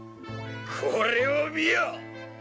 これを見よ！